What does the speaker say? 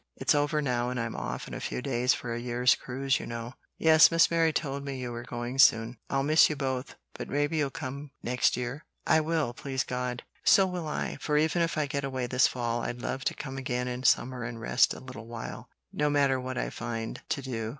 It's over now, and I'm off in a few days for a year's cruise, you know." "Yes, Miss Mary told me you were going soon. I'll miss you both, but maybe you'll come next year?" "I will, please God!" "So will I; for even if I get away this fall, I'd love to come again in summer and rest a little while, no matter what I find to do."